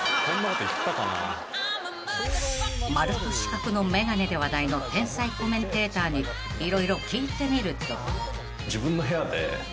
［丸と四角のメガネで話題の天才コメンテーターに色々聞いてみると］